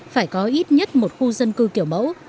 phải có ít nhất một khu dân cư kiểu mẫu